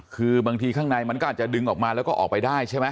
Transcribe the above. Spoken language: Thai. คือบางทีข้างในมันก็อาจจะดึงออกมาแล้วก็ออกไปได้ใช่ไหม